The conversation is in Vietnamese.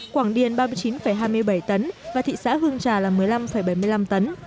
quảng điền ba mươi chín hai mươi bảy tấn và thị xã hương trà là một mươi năm bảy mươi năm tấn